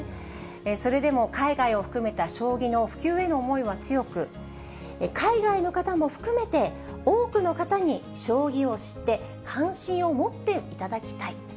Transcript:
それでも海外を含めた将棋の普及への思いは強く、海外の方も含めて、多くの方に将棋を知って、関心を持っていただきたい。